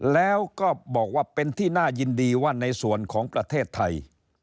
แล้วก็บอกว่าเป็นที่น่ายินดีว่าในส่วนของประเทศไทย